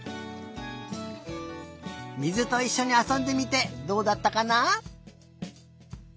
水といっしょにあそんでみてどうだったかな？